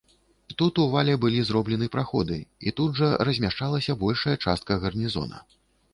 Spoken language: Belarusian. Тут у вале былі зроблены праходы, і тут жа размяшчалася большая частка гарнізона.